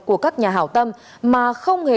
của các nhà hảo tâm mà không hề